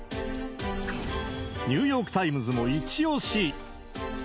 ニューヨーク・タイムズも一押し！